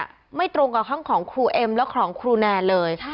ไม่ตรงกับห้องของครูเอ็มและของครูแนนเลย